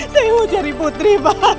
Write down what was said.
saya mau jadi putri pak